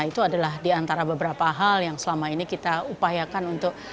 itu adalah diantara beberapa hal yang selama ini kita upayakan untuk